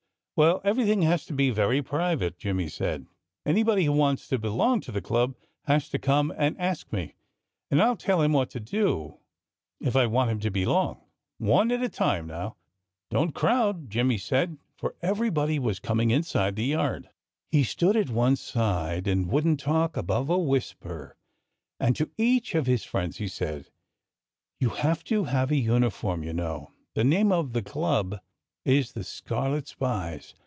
"Well, everything has to be very private," Jimmy said. "Anybody who wants to belong to the club has to come and ask me. And I'll tell him what to do, if I want him to belong.... One at a time, now! Don't crowd!" Jimmy said. For everybody was coming inside his yard. He stood at one side and wouldn't talk above a whisper. And to each of his friends he said: "You have to have a uniform, you know.... The name of the club is The Scarlet Spies.